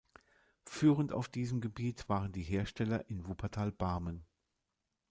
Führend auf diesem Gebiet waren die Hersteller in Wuppertal-Barmen.